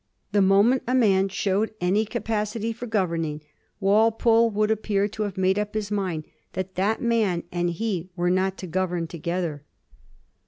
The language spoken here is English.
The moment a man showed any capacity for governing, Walpole would ap pear to have made up his mind that that man and he were not to govern together.